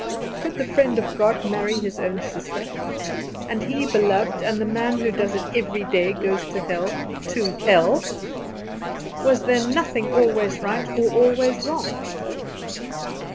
Could the friend of God marry his own sister, and be beloved, and the man who does it today goes to hell, to hell? Was there nothing always right or always wrong?